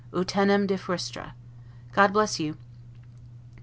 'Utinam de frustra'. God bless you!